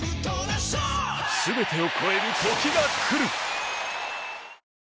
全てを超える時が来る！